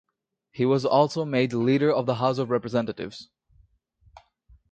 He was also made Leader of the House of Representatives.